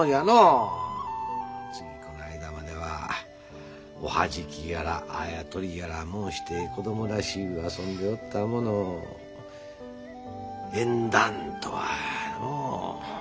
ついこの間まではおはじきやらあやとりやら申して子供らしゅう遊んでおったものを縁談とはのう。